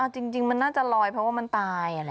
เออจริงมันน่าจะลอยเพราะว่ามันตายอะไรอยู่